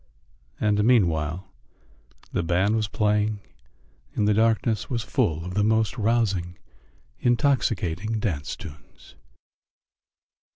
And meanwhile the band was playing and the darkness was full of the most rousing, intoxicating dance tunes.